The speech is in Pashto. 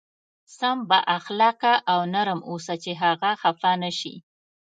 سم با اخلاقه او نرم اوسه چې هغه خفه نه شي.